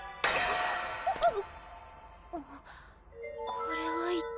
これは一体？